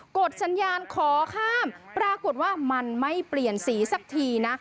กดสัญญาณขอข้ามปรากฏว่ามันไม่เปลี่ยนสีสักทีนะ